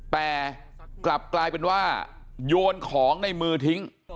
แต่กลับกลายเป็นว่าโยนของในมือทิ้ง